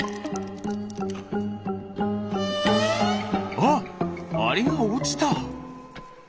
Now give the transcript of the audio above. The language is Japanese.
あっアリがおちた！